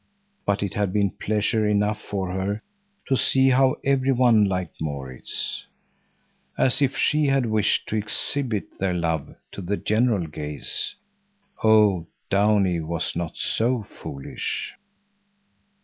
But it had been pleasure enough for her to see how every one liked Maurits. As if she had wished to exhibit their love to the general gaze! Oh, Downie was not so foolish!